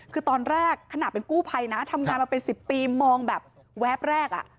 คือตอนแรกขนาดเป็นกู้ภัยนะทำงานมาเป็น๑๐ปีมองแบบแวบแรก